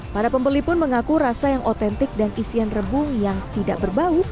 para pembeli pun mengaku rasa yang otentik dan isian rebung yang tidak berbau